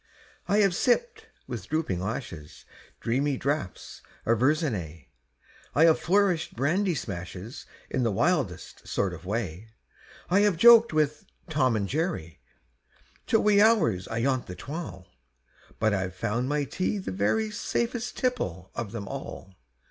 I have sipped, with drooping lashes, Dreamy draughts of Verzenay; I have flourished brandy smashes In the wildest sort of way; I have joked with "Tom and Jerry" Till wee hours ayont the twal' But I've found my tea the very Safest tipple of them all!